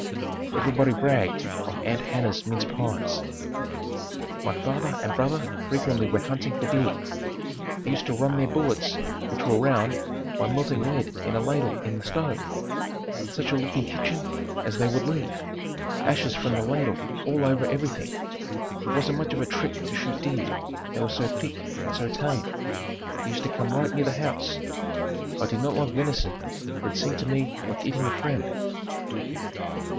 Everybody bragged on "Aunt Hannah's mince pies." My father and brother frequently went hunting for deer. They used to run their bullets, which were round, by melting lead in a ladle in the stove. Such a looking kitchen as they would leave! Ashes from the ladle all over everything. It wasn't much of a trick to shoot deer, they were so thick and so tame. They used to come right near the house. I did not like venison for it seemed to me like eating a friend.